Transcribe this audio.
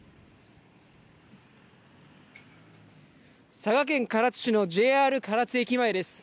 佐賀県唐津市のＪＲ唐津駅前です。